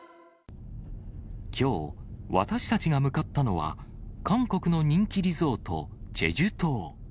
きょう、私たちが向かったのは、韓国の人気リゾート、チェジュ島。